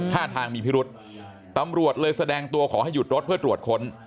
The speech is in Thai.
ท่าทางมีพิรุษตำรวจเลยแสดงตัวขอให้หยุดรถเพื่อตรวจค้น